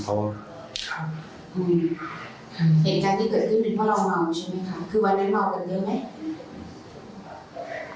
คือวันนั้นเมากันเยอะไหม